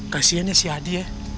kasiannya si adi ya